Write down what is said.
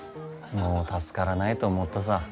もう助からないと思ったさ。